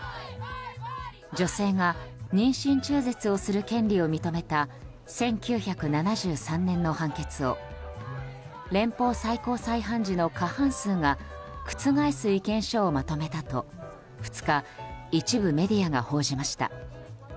女性が妊娠中絶をする権利を認めた１９７３年の判決を連邦最高裁判事の過半数が覆す意見書をまとめたと２日、一部メディアが報じました。